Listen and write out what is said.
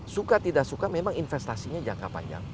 suka tidak suka memang investasinya jangka panjang